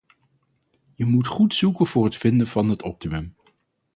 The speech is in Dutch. Je moet goed zoeken voor het vinden van het optimum.